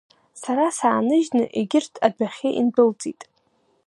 Сара сааныжьны егьырҭ адәахьы индәылҵит.